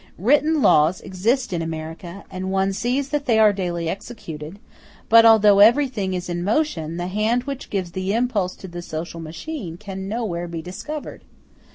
Written laws exist in America, and one sees that they are daily executed; but although everything is in motion, the hand which gives the impulse to the social machine can nowhere be discovered.